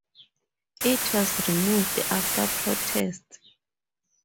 It was removed after protests.